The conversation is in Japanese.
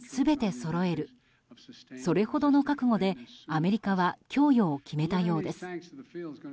それほどの覚悟で、アメリカは供与を決めたようです。